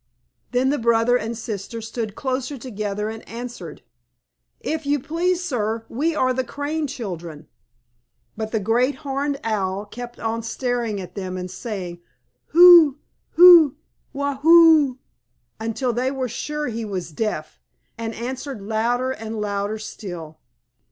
Then the brother and sister stood closer together and answered, "If you please, sir, we are the Crane children." But the Great Horned Owl kept on staring at them and saying "Who? Who? Waugh ho oo!" until they were sure he was deaf, and answered louder and louder still.